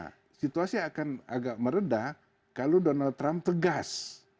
nah situasi akan agak meredah kalau donald trump tegas